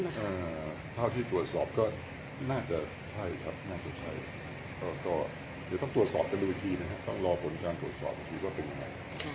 แล้วก็เท่าที่ตรวจสอบก็น่าจะใช่ครับน่าจะใช่ก็เดี๋ยวต้องตรวจสอบกันดูอีกทีนะครับต้องรอผลการตรวจสอบอีกทีว่าเป็นยังไง